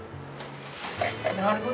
なるほど。